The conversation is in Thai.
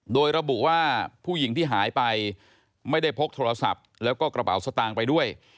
โดยระบุว่าผู้หญิงที่หายไปไม่ได้พกโทรศัพท์แล้วก็กระเป๋าสตางค์ไปด้วย